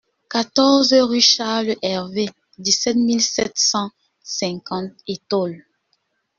quatorze rue Charles Hervé, dix-sept mille sept cent cinquante Étaules